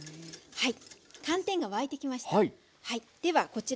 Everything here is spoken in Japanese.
はい。